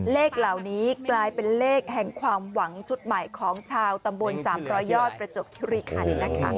เลขเหล่านี้กลายเป็นเลขแห่งความหวังชุดใหม่ของชาวตำบล๓๐๐ยอดประจบคิริคันนะคะ